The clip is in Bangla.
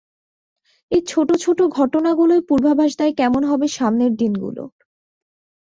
এই ছোট ছোট ঘটনা গুলোই পূর্বাভাস দেয় কেমন হবে সামনের দিনগুলো।